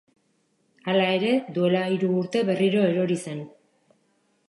Hala ere, duela hiru urte berriro erori zen.